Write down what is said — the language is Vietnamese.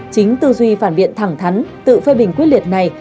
chính tư duy phản biện thẳng thắn tự phê bình quyết liệt này